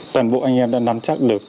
toàn bộ anh em đã nắm chắc lực